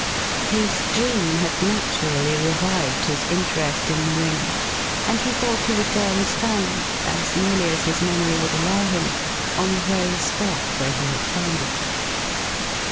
His dream had naturally revived his interest in the ring, and he thought he would go and stand, as nearly as his memory would allow him, on the very spot where he had found it.